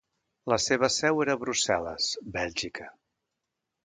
La seva seu era a Brussel·les, Bèlgica.